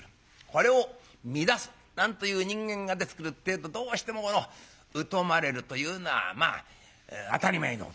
これを乱すなんという人間が出てくるってえとどうしてもこの疎まれるというのはまあ当たり前のことで。